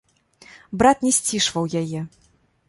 Брат не сцішваў яе.